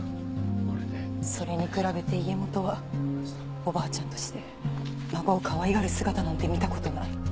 それに比べて家元はおばあちゃんとして孫をかわいがる姿なんて見た事ない。